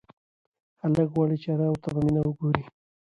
هلک غواړي چې انا ورته په مینه وگوري.